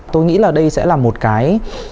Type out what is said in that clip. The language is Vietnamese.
tôi nghĩ là đây sẽ là một cái